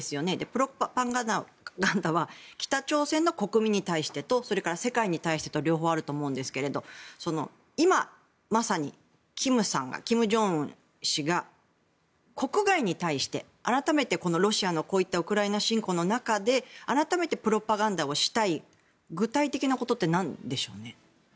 プロパガンダは北朝鮮の国民に対してとそれから世界に対してと両方あると思うんですけど今まさに金正恩氏が国外に対して、改めてロシアのこういったウクライナ侵攻の中で改めてプロパガンダをしたい具体的なことってなんでしょうね？